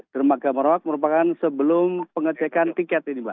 dermaga merawat merupakan sebelum pengecekan tiket ini mbak